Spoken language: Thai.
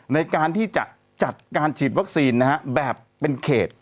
ในการที่จะจัดการฉีดวัคซีนแบบเป็นเขต